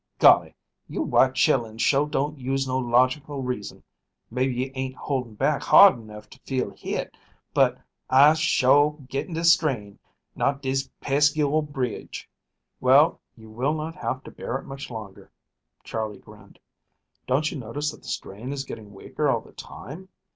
Golly! You white chillens sho' don't use no logic or reason. Maybe you ain't holdin' back hard enough to feel hit, but I'se sho' getting de strain, not dis pesky ole bridge." "Well, you will not have to bear it much longer," Charley grinned. "Don't you notice that the strain is getting weaker all the time?